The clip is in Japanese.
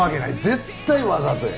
絶対わざとや。